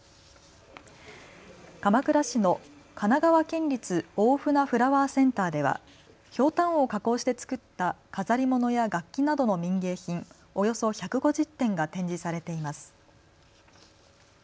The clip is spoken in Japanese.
鎌倉市の神奈川県立大船フラワーセンターではひょうたんを加工して作った飾り物や楽器などの民芸品およそ１５０点が展示されています。